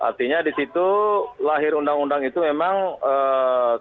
artinya di situ lahir undang undang itu memang eee